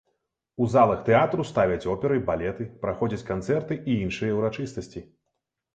У залах тэатру ставяць оперы, балеты, праходзяць канцэрты і іншыя ўрачыстасці.